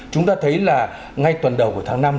chúng ta thấy là ngay tuần đầu của tháng năm